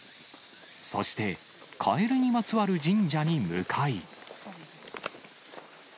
そして、カエルにまつわる神社に向かい。